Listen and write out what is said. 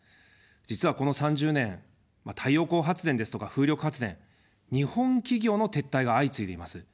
実はこの３０年、太陽光発電ですとか、風力発電、日本企業の撤退が相次いでいます。